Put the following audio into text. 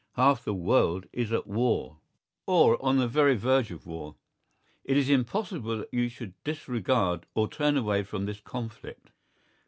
Half the world is at war, or on the very verge of war; it is impossible that you should disregard or turn away from this conflict.